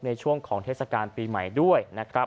ในช่วงของเทศกาลปีใหม่ด้วย